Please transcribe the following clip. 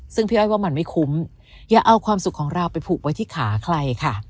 ซึ่งพี่อ้อยว่ามันไม่คุ้มอย่าเอาความสุขของเราไปผูกไว้ที่ขาใครค่ะ